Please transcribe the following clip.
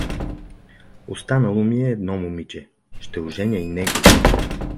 Останало ми е едно момиче, ще оженя и него.